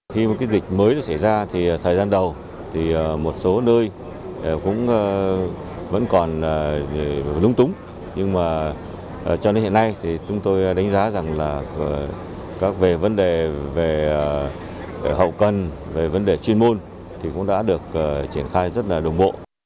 khi một cái dịch mới xảy ra thì thời gian đầu thì một số nơi cũng vẫn còn lúng túng nhưng mà cho đến hiện nay thì chúng tôi đánh giá rằng là các về vấn đề về hậu cần về vấn đề chuyên môn thì cũng đã được triển khai rất là đồng bộ